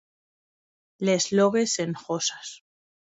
Les Loges-en-Josas